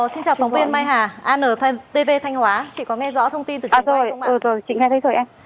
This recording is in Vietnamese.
xin chào phóng viên mai hà antv thanh hóa chị có nghe rõ thông tin từ chị mai không ạ